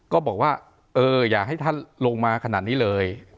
ก็บอกว่าเอออย่าให้ท่านลงมาขนาดนี้เลย